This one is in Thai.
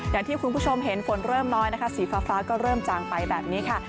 อย่างที่คุณผู้ชมเห็นฝนเริ่มน้อยนะคะสีฟ้าก็เริ่มจางไปแบบนี้ค่ะ